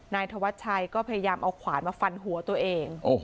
นายธวัชชัยก็พยายามเอาขวานมาฟันหัวตัวเอง